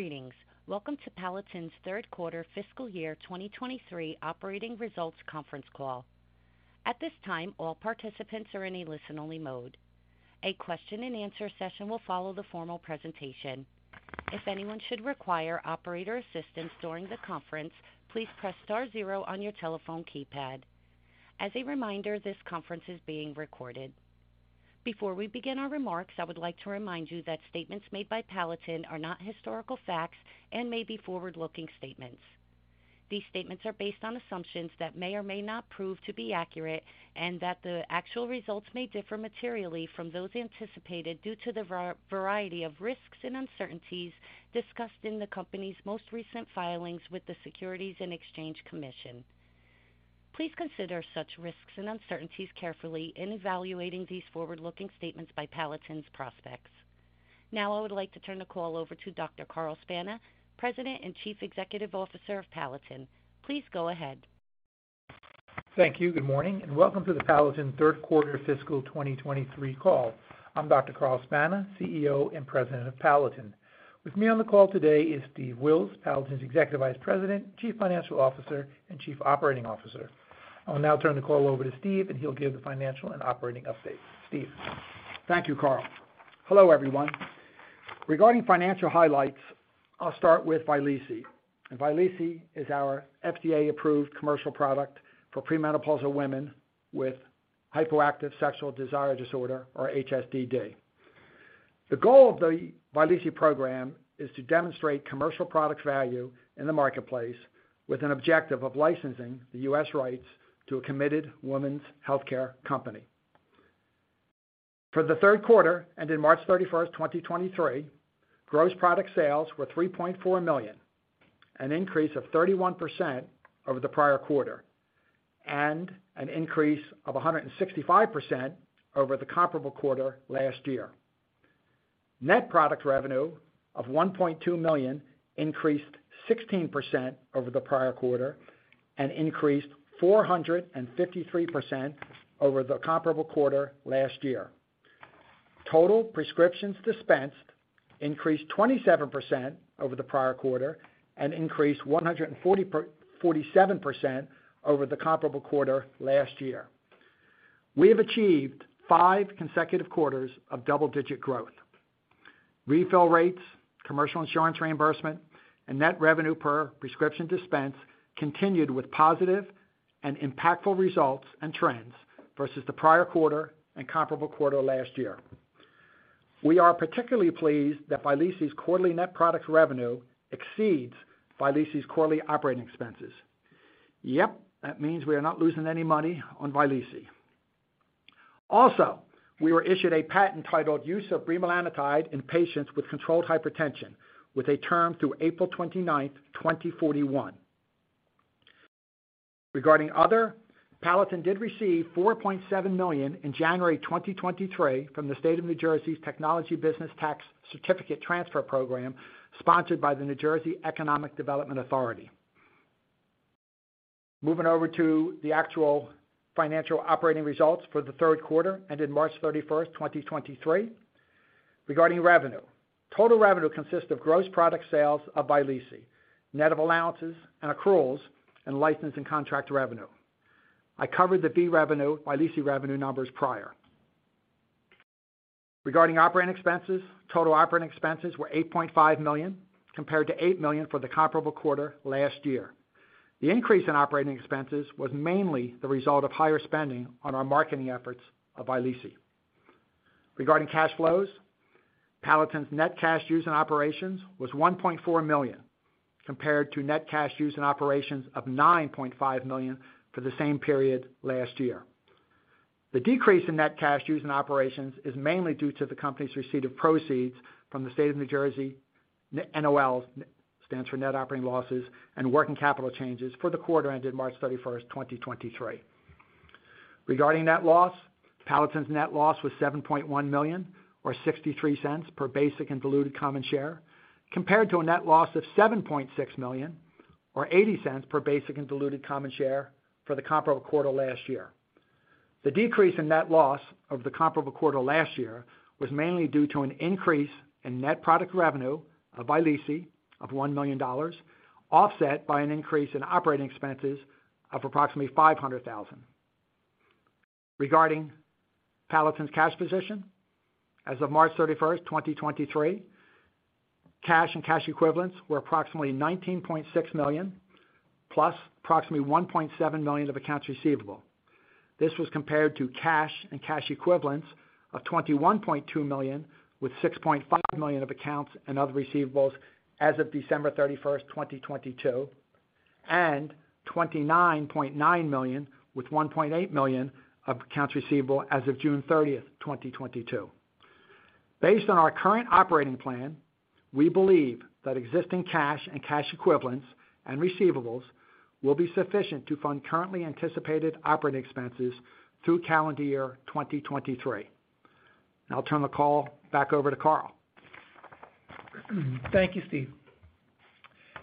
Greetings. Welcome to Palatin's third quarter fiscal year 2023 operating results conference call. At this time, all participants are in a listen-only mode. A question-and-answer session will follow the formal presentation. If anyone should require operator assistance during the conference, please press star zero on your telephone keypad. As a reminder, this conference is being recorded. Before we begin our remarks, I would like to remind you that statements made by Palatin are not historical facts and may be forward-looking statements. These statements are based on assumptions that may or may not prove to be accurate, and that the actual results may differ materially from those anticipated due to the variety of risks and uncertainties discussed in the company's most recent filings with the Securities and Exchange Commission. Please consider such risks and uncertainties carefully in evaluating these forward-looking statements by Palatin's prospects. Now I would like to turn the call over to Dr. Carl Spana, President and Chief Executive Officer of Palatin. Please go ahead. Thank you. Good morning, welcome to the Palatin third quarter fiscal 2023 call. I'm Dr. Carl Spana, CEO and President of Palatin. With me on the call today is Steve Wills, Palatin's Executive Vice President, Chief Financial Officer, and Chief Operating Officer. I will now turn the call over to Steve, and he'll give the financial and operating update. Steve. Thank you, Carl. Hello, everyone. Regarding financial highlights, I'll start with Vyleesi, and Vyleesi is our FDA-approved commercial product for premenopausal women with Hypoactive Sexual Desire Disorder or HSDD. The goal of the Vyleesi program is to demonstrate commercial product value in the marketplace with an objective of licensing the U.S. rights to a committed woman's healthcare company. For the third quarter, and in March 31st, 2023, gross product sales were $3.4 million, an increase of 31% over the prior quarter and an increase of 165% over the comparable quarter last year. Net product revenue of $1.2 million increased 16% over the prior quarter and increased 453% over the comparable quarter last year. Total prescriptions dispensed increased 27% over the prior quarter and increased 147% over the comparable quarter last year. We have achieved five consecutive quarters of double-digit growth. Refill rates, commercial insurance reimbursement, and net revenue per prescription dispense continued with positive and impactful results and trends versus the prior quarter and comparable quarter last year. We are particularly pleased that Vyleesi's quarterly net product revenue exceeds Vyleesi's quarterly operating expenses. Yep, that means we are not losing any money on Vyleesi. Also, we were issued a patent titled Use of bremelanotide in Patients with Controlled Hypertension with a term through April 29th, 2041. Palatin did receive $4.7 million in January 2023 from the State of New Jersey's Technology Business Tax Certificate Transfer Program, sponsored by the New Jersey Economic Development Authority. Moving over to the actual financial operating results for the third quarter and in March 31st, 2023. Regarding revenue, total revenue consists of gross product sales of Vyleesi, net of allowances and accruals and license and contract revenue. I covered the Vyleesi revenue numbers prior. Regarding operating expenses, total operating expenses were $8.5 million, compared to $8 million for the comparable quarter last year. The increase in operating expenses was mainly the result of higher spending on our marketing efforts of Vyleesi. Regarding cash flows, Palatin's net cash used in operations was $1.4 million, compared to net cash used in operations of $9.5 million for the same period last year. The decrease in net cash used in operations is mainly due to the company's receipt of proceeds from the state of New Jersey NOL, stands for Net Operating Losses and working capital changes for the quarter ended March 31st, 2023. Regarding net loss, Palatin's net loss was $7.1 million or $0.63 per basic and diluted common share, compared to a net loss of $7.6 million or $0.80 per basic and diluted common share for the comparable quarter last year. The decrease in net loss of the comparable quarter last year was mainly due to an increase in net product revenue of Vyleesi of $1 million, offset by an increase in operating expenses of approximately $500,000. Regarding Palatin's cash position, as of March 31st, 2023, cash and cash equivalents were approximately $19.6 million, plus approximately $1.7 million of accounts receivable. This was compared to cash and cash equivalents of $21.2 million, with $6.5 million of accounts and other receivables as of December 31st, 2022, and $29.9 million, with $1.8 million of accounts receivable as of June 30th, 2022. Based on our current operating plan, we believe that existing cash and cash equivalents and receivables will be sufficient to fund currently anticipated operating expenses through calendar year 2023. I'll turn the call back over to Carl. Thank you, Steve.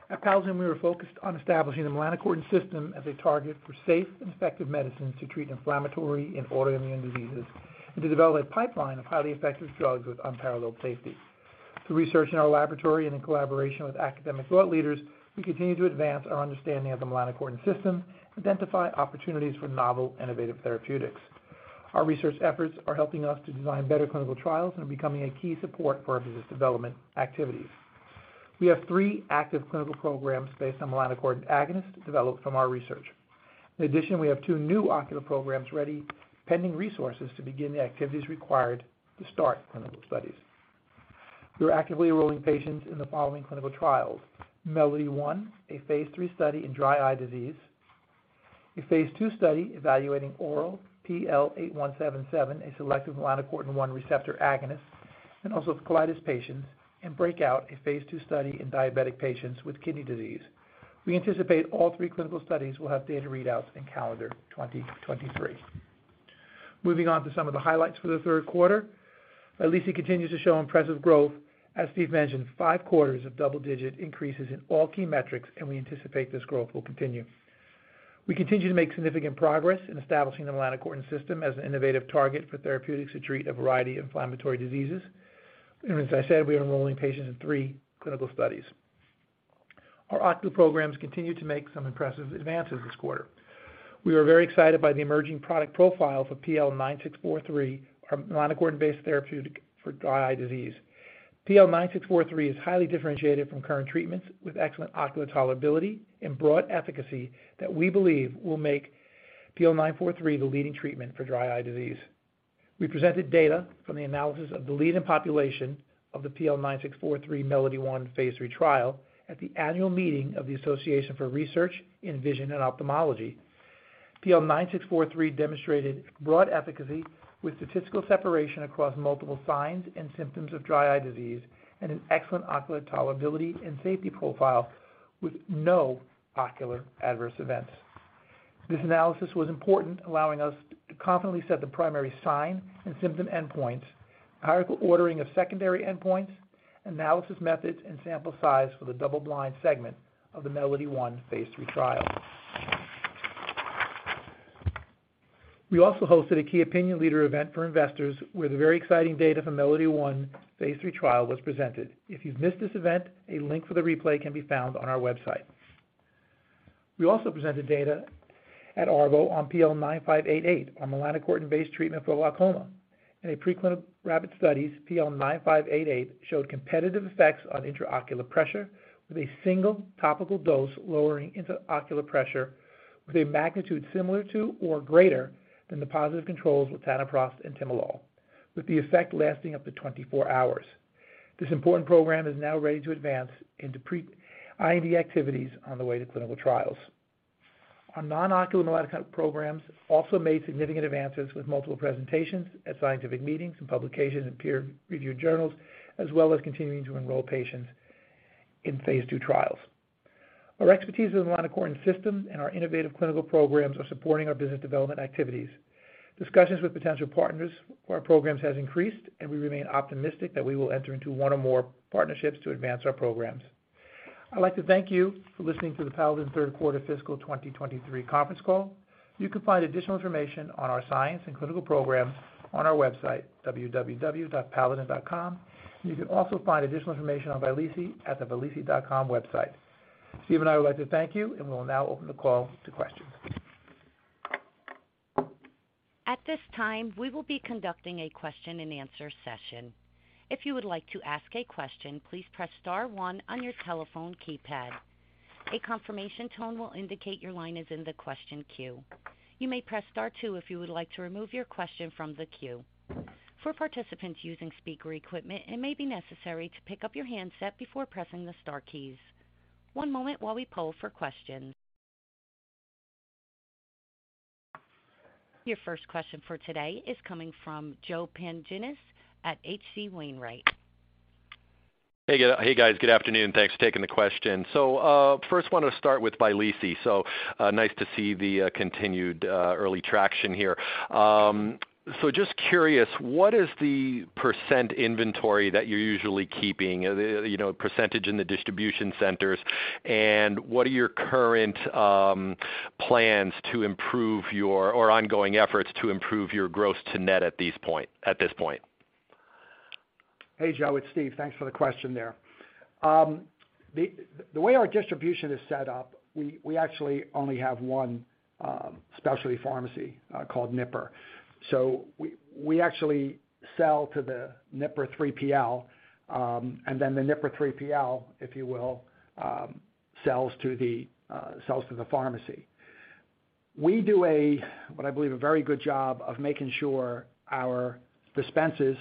At Palatin, we are focused on establishing the melanocortin system as a target for safe and effective medicines to treat inflammatory and autoimmune diseases, and to develop a pipeline of highly effective drugs with unparalleled safety. Through research in our laboratory and in collaboration with academic thought leaders, we continue to advance our understanding of the melanocortin system to identify opportunities for novel innovative therapeutics. Our research efforts are helping us to design better clinical trials and are becoming a key support for our business development activities. We have three active clinical programs based on melanocortin agonists developed from our research. In addition, we have two new ocular programs ready, pending resources to begin the activities required to start clinical studies. We are actively enrolling patients in the following clinical trials: MELODY-1, a phase III study in dry eye disease. A phase II study evaluating oral PL-8177, a selective melanocortin 1 receptor agonist in ulcerative colitis patients, and BREAKOUT, a phase II study in diabetic patients with kidney disease. We anticipate all three clinical studies will have data readouts in calendar 2023. Moving on to some of the highlights for the third quarter. Vyleesi continues to show impressive growth. As Steve mentioned, five quarters of double-digit increases in all key metrics, and we anticipate this growth will continue. We continue to make significant progress in establishing the melanocortin system as an innovative target for therapeutics to treat a variety of inflammatory diseases. As I said, we are enrolling patients in three clinical studies. Our ocular programs continue to make some impressive advances this quarter. We are very excited by the emerging product profile for PL-9643, our melanocortin-based therapeutic for dry eye disease. PL-9643 is highly differentiated from current treatments with excellent ocular tolerability and broad efficacy that we believe will make PL-9643 the leading treatment for dry eye disease. We presented data from the analysis of the lead-in population of the PL-9643 MELODY-1 Phase 3 trial at the annual meeting of the Association for Research in Vision and Ophthalmology. PL-9643 demonstrated broad efficacy with statistical separation across multiple signs and symptoms of dry eye disease and an excellent ocular tolerability and safety profile with no ocular adverse events. This analysis was important, allowing us to confidently set the primary sign and symptom endpoints, hierarchical ordering of secondary endpoints, analysis methods, and sample size for the double-blind segment of the MELODY-1 phase III trial. We also hosted a key opinion leader event for investors where the very exciting data from MELODY-1 phase III trial was presented. If you've missed this event, a link for the replay can be found on our website. We also presented data at ARVO on PL-9588, our melanocortin-based treatment for glaucoma. In a preclinical rabbit studies, PL-9588 showed competitive effects on intraocular pressure with a single topical dose lowering intraocular pressure with a magnitude similar to or greater than the positive controls, latanoprost and timolol, with the effect lasting up to 24 hours. This important program is now ready to advance into pre-IND activities on the way to clinical trials. Our non-ocular melanocortin programs also made significant advances with multiple presentations at scientific meetings and publications in peer-reviewed journals, as well as continuing to enroll patients in phase II trials. Our expertise in the melanocortin system and our innovative clinical programs are supporting our business development activities. Discussions with potential partners for our programs has increased, and we remain optimistic that we will enter into one or more partnerships to advance our programs. I'd like to thank you for listening to the Palatin third quarter fiscal 2023 conference call. You can find additional information on our science and clinical programs on our website www.palatin.com. You can also find additional information on Vyleesi at the vyleesi.com website. Steve and I would like to thank you, and we'll now open the call to questions. At this time, we will be conducting a question-and-answer session. If you would like to ask a question, please press star one on your telephone keypad. A confirmation tone will indicate your line is in the question queue. You may press star two if you would like to remove your question from the queue. For participants using speaker equipment, it may be necessary to pick up your handset before pressing the star keys. One moment while we poll for questions. Your first question for today is coming from Joe Pantginis at H.C. Wainwright. Hey, guys. Good afternoon. Thanks for taking the question. First want to start with Vyleesi. Nice to see the continued early traction here. Just curious, what is the % inventory that you're usually keeping? You know, % in the distribution centers, and what are your current plans to improve or ongoing efforts to improve your gross to net at this point? Hey, Joe, it's Steve. Thanks for the question there. The way our distribution is set up, we actually only have one specialty pharmacy called Knipper. We actually sell to the Knipper 3PL, and then the Knipper 3PL, if you will, sells to the pharmacy. We do what I believe a very good job of making sure our dispenses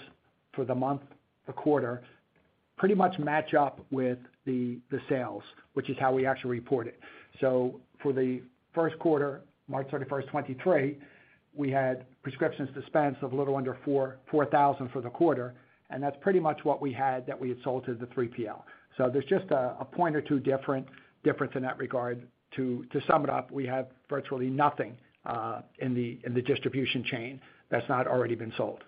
for the month, the quarter, pretty much match up with the sales, which is how we actually report it. For the first quarter, March 31st, 2023, we had prescriptions dispensed of a little under 4,000 for the quarter, and that's pretty much what we had that we had sold to the 3PL. There's just a point or two difference in that regard. To sum it up, we have virtually nothing in the distribution chain that's not already been sold.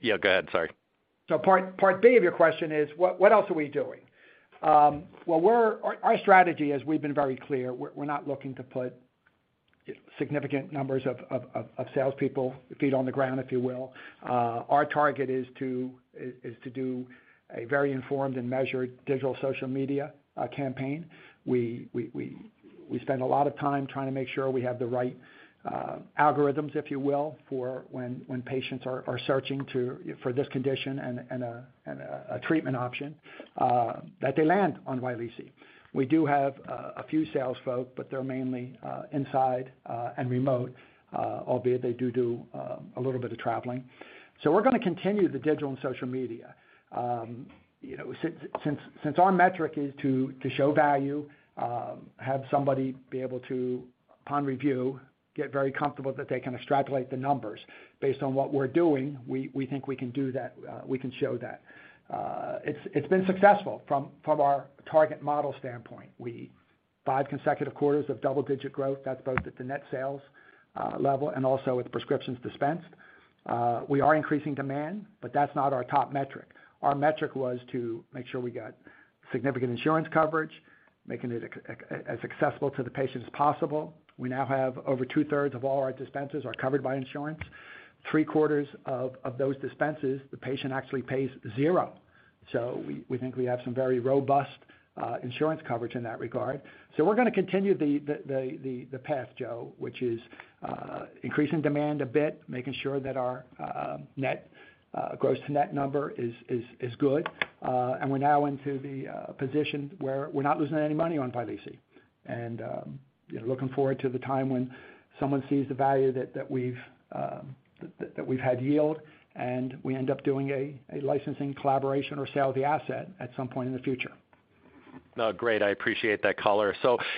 Yeah, go ahead, sorry. Part B of your question is what else are we doing? Well, Our strategy, as we've been very clear, we're not looking to put significant numbers of salespeople, feet on the ground, if you will. Our target is to do a very informed and measured digital social media campaign. We spend a lot of time trying to make sure we have the right algorithms, if you will, for when patients are searching for this condition and a treatment option, that they land on Vyleesi. We do have a few sales folk, but they're mainly inside and remote, albeit they do a little bit of traveling. We're gonna continue the digital and social media. You know, since our metric is to show value, have somebody be able to, upon review, get very comfortable that they can extrapolate the numbers based on what we're doing, we think we can do that, we can show that. It's been successful from our target model standpoint. We. Five consecutive quarters of double-digit growth, that's both at the net sales level and also with prescriptions dispensed. We are increasing demand, but that's not our top metric. Our metric was to make sure we got significant insurance coverage, making it as accessible to the patient as possible. We now have over two-thirds of all our dispenses are covered by insurance. 3/4 of those dispenses, the patient actually pays zero. We think we have some very robust insurance coverage in that regard. we're gonna continue the path, Joe, which is increasing demand a bit, making sure that our net gross to net number is good. we're now into the position where we're not losing any money on Vyleesi. you know, looking forward to the time when someone sees the value that we've had yield, and we end up doing a licensing collaboration or sale of the asset at some point in the future. No, great. I appreciate that color.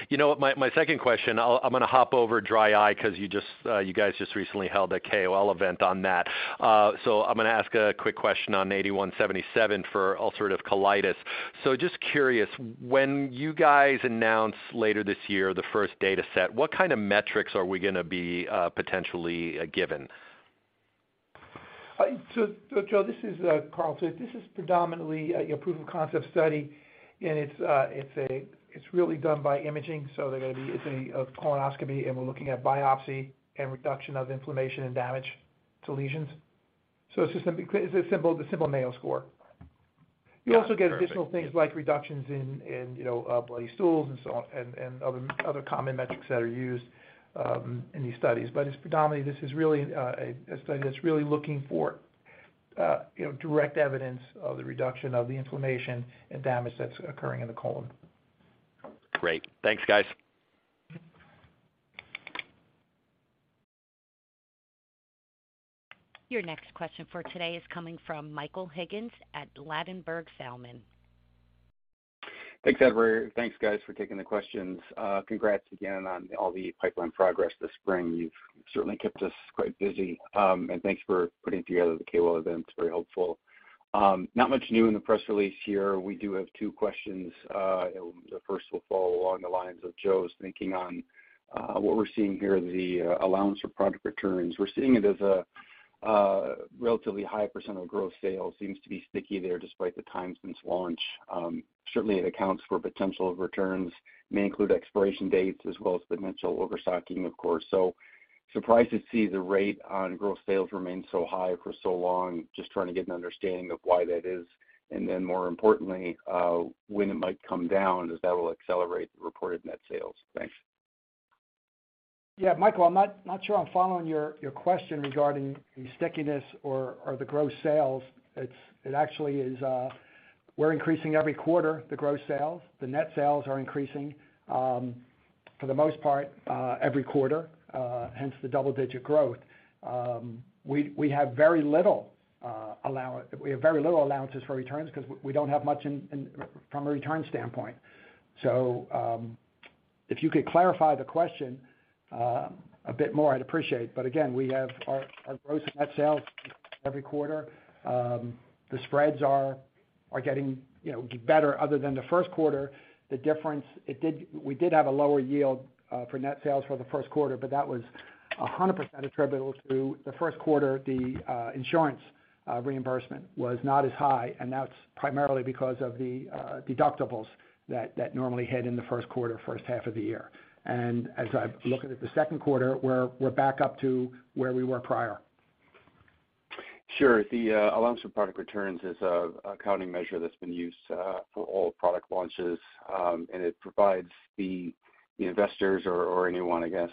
You know what? My second question, I'm gonna hop over dry eye 'cause you guys just recently held a KOL event on that. I'm gonna ask a quick question on PL-8177 for ulcerative colitis. Just curious, when you guys announce later this year the first data set, what kind of metrics are we gonna be potentially given? Joe, this is Carl. This is predominantly a proof of concept study, and it's really done by imaging. It's a colonoscopy, and we're looking at biopsy and reduction of inflammation and damage to lesions. It's a simple Mayo score. You also get additional things like reductions in, you know, bloody stools and so on and other common metrics that are used in these studies. It's predominantly this is really a study that's really looking for, you know, direct evidence of the reduction of the inflammation and damage that's occurring in the colon. Great. Thanks, guys. Your next question for today is coming from Michael Higgins at Ladenburg Thalmann. Thanks, Avery. Thanks, guys, for taking the questions. Congrats again on all the pipeline progress this spring. You've certainly kept us quite busy. Thanks for putting together the KOL event. It's very helpful. Not much new in the press release here. We do have two questions. The first will follow along the lines of Joe's thinking on what we're seeing here, the allowance for product returns. We're seeing it as a relatively high percent of gross sales. Seems to be sticky there despite the time since launch. Certainly it accounts for potential returns, may include expiration dates as well as potential overstocking, of course. Surprised to see the rate on gross sales remain so high for so long. Just trying to get an understanding of why that is, and then more importantly, when it might come down as that will accelerate the reported net sales. Thanks. Yeah, Michael, I'm not sure I'm following your question regarding the stickiness or the gross sales. It actually is, we're increasing every quarter the gross sales. The net sales are increasing, for the most part, every quarter, hence the double-digit growth. We have very little allowances for returns because we don't have much in from a return standpoint. If you could clarify the question, a bit more, I'd appreciate. Again, we have our gross net sales every quarter. The spreads are getting, you know, better other than the first quarter. The difference. We did have a lower yield for net sales for the first quarter, but that was 100% attributable to the first quarter. The insurance reimbursement was not as high, and that's primarily because of the deductibles that normally hit in the first quarter, first half of the year. As I look at it, the second quarter, we're back up to where we were prior. Sure. The allowance for product returns is a accounting measure that's been used for all product launches, and it provides the investors or anyone, I guess,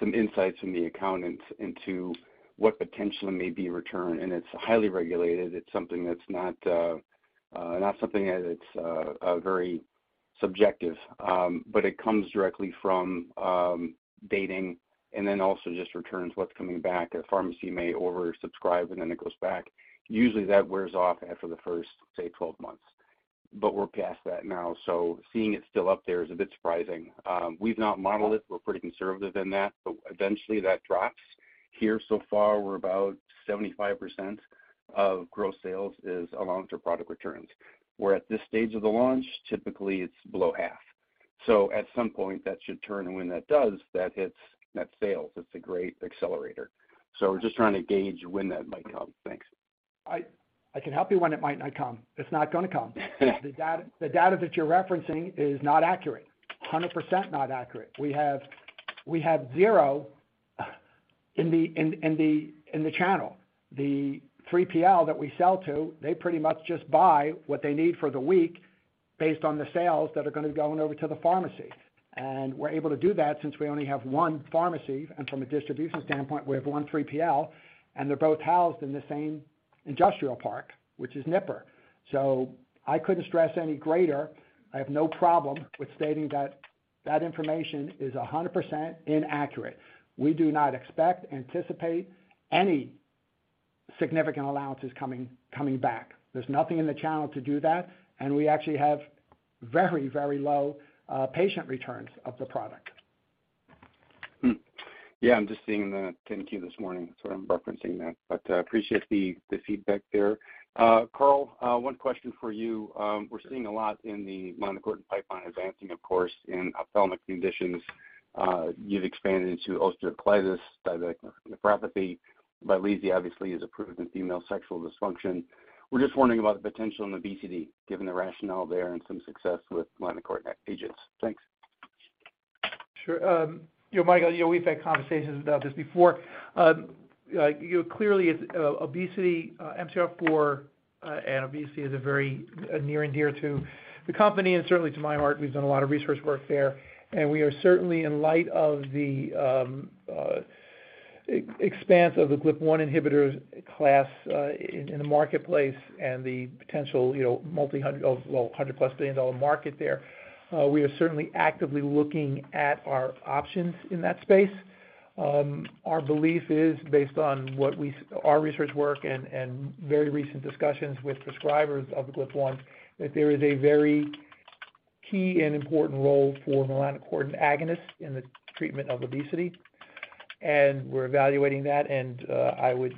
some insights from the accountants into what potentially may be returned, and it's highly regulated. It's something that's not something that it's very subjective. It comes directly from dating and then also just returns what's coming back. A pharmacy may oversubscribe, then it goes back. Usually, that wears off after the first, say, 12 months. We're past that now, so seeing it still up there is a bit surprising. We've not modeled it. We're pretty conservative in that. Eventually, that drops. Here, so far, we're about 75% of gross sales is allowance for product returns, where at this stage of the launch, typically it's below half. At some point that should turn, and when that does, that hits net sales. It's a great accelerator. We're just trying to gauge when that might come. Thanks. I can help you when it might not come. It's not gonna come. The data that you're referencing is not accurate. 100% not accurate. We have zero, in the channel. The 3PL that we sell to, they pretty much just buy what they need for the week based on the sales that are gonna be going over to the pharmacy. We're able to do that since we only have one pharmacy. From a distribution standpoint, we have one 3PL, and they're both housed in the same industrial park, which is Knipper. I couldn't stress any greater. I have no problem with stating that that information is 100% inaccurate. We do not expect, anticipate any significant allowances coming back. There's nothing in the channel to do that, and we actually have very low patient returns of the product. Yeah, I'm just seeing the 10-Q this morning, that's what I'm referencing that, but appreciate the feedback there. Carl, one question for you. We're seeing a lot in the melanocortin pipeline advancing, of course, in ophthalmic conditions. You've expanded into osteoarthritis, diabetic nephropathy. Vyleesi obviously is approved in female sexual dysfunction. We're just wondering about the potential in obesity, given the rationale there and some success with melanocortin agents. Thanks. Sure. you know, Michael, you know, we've had conversations about this before. you know, clearly it's obesity, MC4R, and obesity is a very near and dear to the company and certainly to my heart. We've done a lot of research work there, and we are certainly in light of the expanse of the GLP-1 inhibitors class in the marketplace and the potential, you know, of, well, $100 plus billion market there. We are certainly actively looking at our options in that space. Our belief is based on what we s-- our research work and very recent discussions with prescribers of the GLP-1, that there is a very key and important role for melanocortin agonist in the treatment of obesity. We're evaluating that, and I would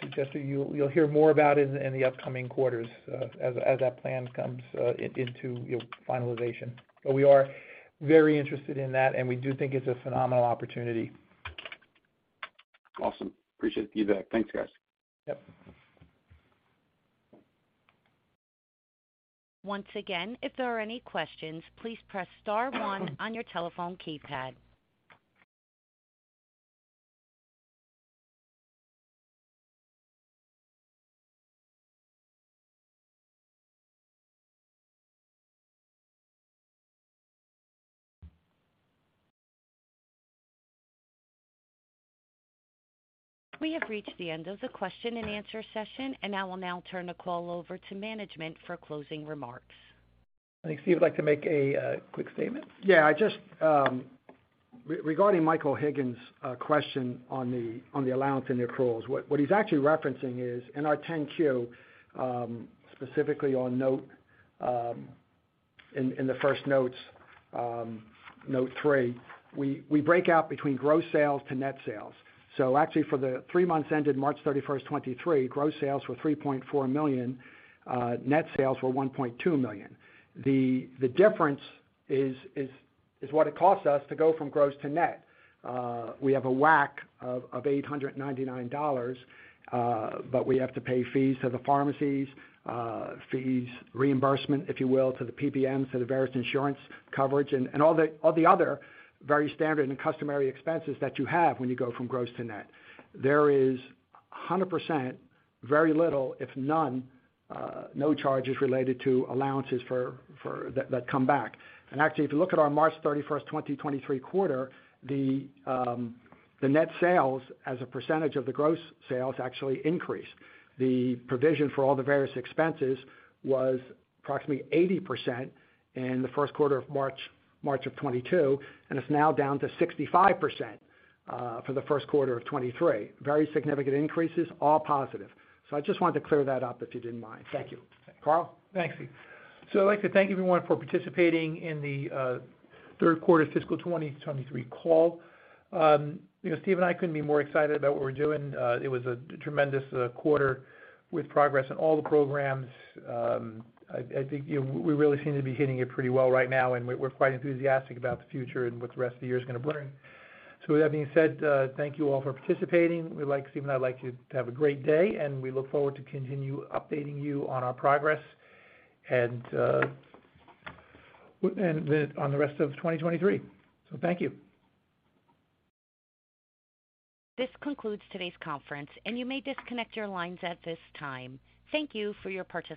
suggest to you you'll hear more about it in the upcoming quarters, as that plan comes into, you know, finalization. We are very interested in that, and we do think it's a phenomenal opportunity. Awesome. Appreciate the feedback. Thanks, guys. Yep. Once again, if there are any questions, please press star one on your telephone keypad. We have reached the end of the question and answer session. I will now turn the call over to management for closing remarks. Thanks. Steve, would like to make a quick statement? Yeah. I just, regarding Michael Higgins' question on the allowance and the accruals, what he's actually referencing is in our 10-Q, specifically on note, in the first notes, note 3, we break out between gross sales to net sales. Actually, for the three months ended March 31st, 2023, gross sales were $3.4 million, net sales were $1.2 million. The difference is what it costs us to go from gross to net. We have a WAC of $899, but we have to pay fees to the pharmacies, fees, reimbursement, if you will, to the PBMs, to the various insurance coverage and all the other very standard and customary expenses that you have when you go from gross to net. There is 100%, very little, if none, no charges related to allowances for that come back. Actually, if you look at our March 31st, 2023 quarter, the net sales as a percentage of the gross sales actually increased. The provision for all the various expenses was approximately 80% in the first quarter of March 2022, and it's now down to 65% for the first quarter of 2023. Very significant increases, all positive. I just wanted to clear that up, if you didn't mind. Thank you. Carl? Thanks, Steve. I'd like to thank everyone for participating in the third quarter fiscal 2023 call. You know, Steve and I couldn't be more excited about what we're doing. It was a tremendous quarter with progress on all the programs. I think, you know, we really seem to be hitting it pretty well right now, and we're quite enthusiastic about the future and what the rest of the year is gonna bring. With that being said, thank you all for participating. Steve and I would like you to have a great day, and we look forward to continue updating you on our progress and the, on the rest of 2023. Thank you. This concludes today's conference, and you may disconnect your lines at this time. Thank you for your participation.